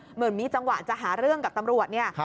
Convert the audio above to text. เหมือนมีจังหวะจะหาเรื่องกับตำรวจเนี่ย